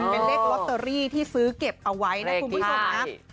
เป็นเลขลอตเตอรี่ที่ซื้อเก็บเอาไว้นะคุณผู้ชมนะ